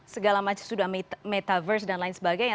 segala macam sudah metaverse dan lain sebagainya